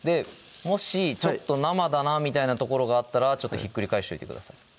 もしちょっと生だなぁみたいな所があったらひっくり返しといてください